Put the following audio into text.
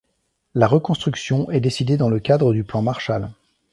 La reconstruction est décidée dans le cadre du plan Marshall.